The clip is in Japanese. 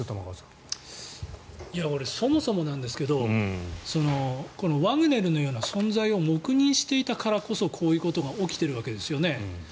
そもそもなんですけどワグネルのような存在を黙認していたからこそこういうことが起きているわけですよね。